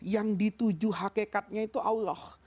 yang dituju hakikatnya itu allah